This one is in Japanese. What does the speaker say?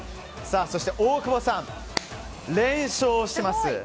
そして大久保さん、連勝してます。